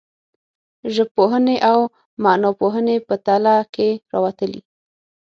ژبپوهنې او معناپوهنې په تله کې راوتلي.